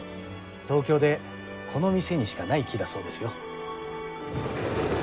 東京でこの店にしかない木だそうですよ。